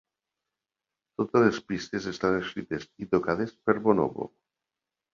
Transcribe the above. Totes les pistes estan escrites i tocades per Bonobo.